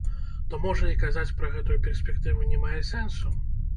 То можа і казаць пра гэтую перспектыву не мае сэнсу?